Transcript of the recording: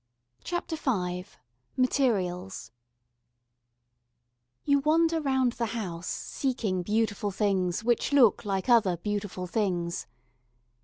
CHAPTER V Materials YOU wander round the house seeking beautiful things which look like other beautiful things.